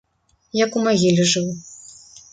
Як у магіле жыў.